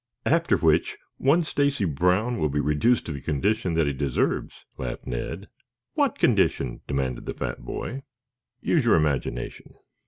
"After which, one Stacy Brown will be reduced to the condition that he deserves," laughed Ned. "What condition?" demanded the fat boy. "Use your imagination."